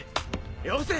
よせ！